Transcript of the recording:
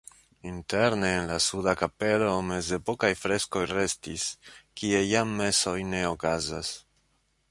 Interne en la suda kapelo mezepokaj freskoj restis, kie jam mesoj ne okazas.